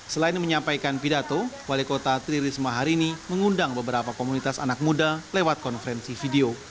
selain menyampaikan pidato wali kota tri risma hari ini mengundang beberapa komunitas anak muda lewat konferensi video